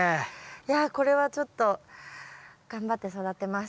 いやこれはちょっと頑張って育てます。